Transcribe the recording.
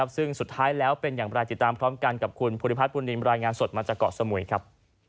ซึ่งสุดท้ายแล้วเป็นอย่างไรติดตามพร้อมกันกับคุณภูริพัฒนบุญนินรายงานสดมาจากเกาะสมุยครับ